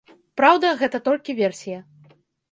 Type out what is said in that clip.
Праўда, гэта толькі версія.